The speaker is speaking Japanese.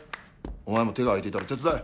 お前も手が空いていたら手伝え。